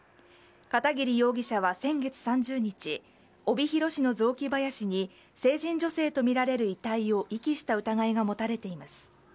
片桐容疑者は先月３０日帯広市の雑木林に成人女性とみられる遺体を遺棄した疑いが持たれています。